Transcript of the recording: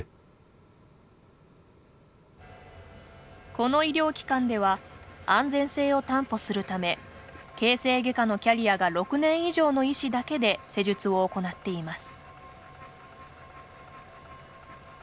この医療機関では安全性を担保するため形成外科のキャリアが６年以上の医師だけで施術を行っています。